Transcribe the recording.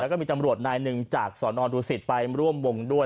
แล้วก็มีตำรวจนายหนึ่งจากสนดูสิตไปร่วมวงด้วย